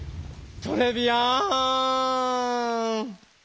トレビアーン！